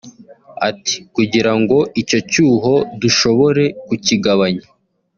Ati “Kugira ngo icyo cyuho dushobore kukigabanya